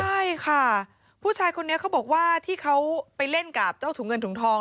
ใช่ค่ะผู้ชายคนนี้เขาบอกว่าที่เขาไปเล่นกับเจ้าถุงเงินถุงทอง